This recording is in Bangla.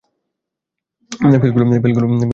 পিলগুলো নিয়ে আসো!